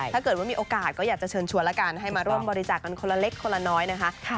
ถ้าเกิดว่ามีโอกาสก็อยากจะเชิญชวนแล้วกันให้มาร่วมบริจาคกันคนละเล็กคนละน้อยนะคะ